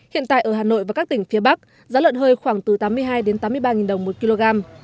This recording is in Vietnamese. hiện tại ở hà nội và các tỉnh phía bắc giá lợn hơi khoảng từ tám mươi hai tám mươi ba đồng một kg